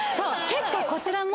結構こちらも。